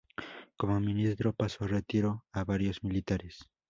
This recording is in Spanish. Como ministro pasó a retiro a varios militares.